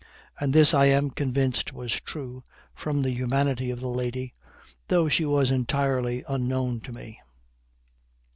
And this I am convinced was true, from the humanity of the lady, though she was entirely unknown to me.